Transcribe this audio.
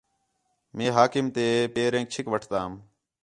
مئے حاکم تے پیرینک چِھک وٹھتام